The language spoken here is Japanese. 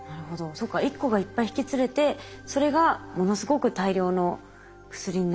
そうか一個がいっぱい引き連れてそれがものすごく大量の薬になるっていうことなんですね。